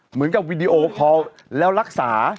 เหมือนกับวิดีโอคอลแล้วรักษา